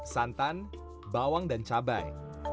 santan bawang dan cabai